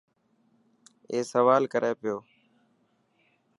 اي سوال ڪري پيو.